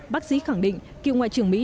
bác sĩ khẳng định cựu ngoại trưởng mỹ